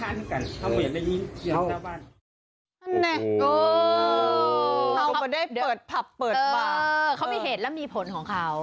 นั่นแหละโอ้โหเขาไม่ได้เปิดภาพเปิดบ้านเขามีเหตุแล้วมีผลของเขา